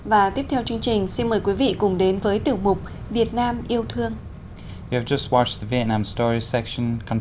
và tiếp theo chương trình xin mời quý vị cùng đến với tiểu mục việt nam yêu thương